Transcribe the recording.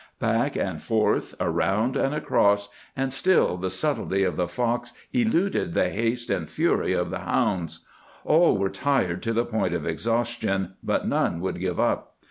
Back and forth, around and across, and still the subtlety of the fox eluded the haste and fury of the hounds. All were tired to the point of exhaustion, but none would give up.